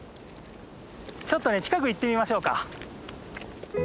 ちょっと近く行ってみましょうか。